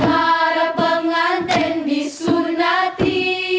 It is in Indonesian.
gara pengantin disurnati